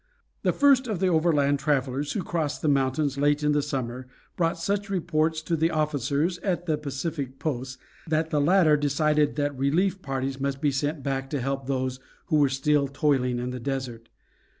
The first of the overland travelers who crossed the mountains late in the summer brought such reports to the officers at the Pacific posts that the latter decided that relief parties must be sent back to help those who were still toiling in the desert.